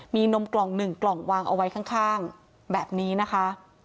มีนมกล่องหนึ่งกล่องวางเอาไว้ข้างแบบนี้นะคะ